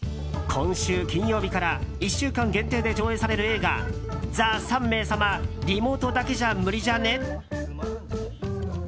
今週金曜日から１週間限定で上映される映画「ＴＨＥ３名様リモートだけじゃ無理じゃね？」。